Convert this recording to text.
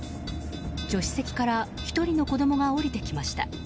助手席から１人の子供が降りてきました。